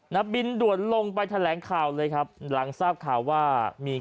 นักบินด่วนลงไปแถลงข่าวเลยครับหลังทราบข่าวว่ามี